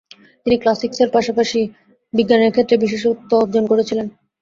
তিনি ক্লাসিক্সের পাশাপাশি বিজ্ঞানের ক্ষেত্রে বিশেষত্ব অর্জন করেছিলেন।